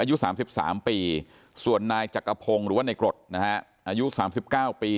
อายุ๓๓ปีส่วนนายจักรพงศ์หรือว่าในกรดนะฮะอายุ๓๙ปี